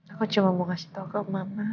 aku cuman mau kasih tau ke mama